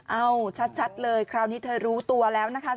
เอาชัดเลยคราวนี้เธอรู้ตัวแล้วนะคะ